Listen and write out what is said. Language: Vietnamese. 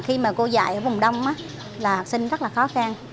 khi mà cô dạy ở vùng đông á là học sinh rất là khó khăn